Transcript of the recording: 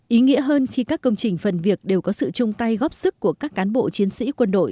ý nghĩa hơn khi các công trình phần việc đều có sự chung tay góp sức của các cán bộ chiến sĩ quân đội